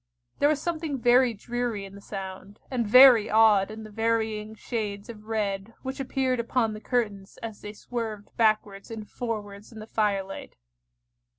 There was something very dreary in the sound, and very odd in the varying shades of red which appeared upon the curtains as they swerved backwards and forwards in the firelight.